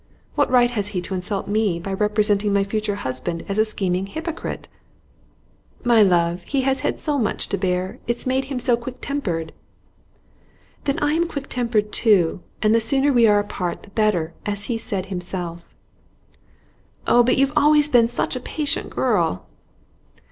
What right has he to insult me by representing my future husband as a scheming hypocrite?' 'My love, he has had so much to bear it's made him so quick tempered.' 'Then I am quick tempered too, and the sooner we are apart the better, as he said himself.' 'Oh, but you have always been such a patient girl.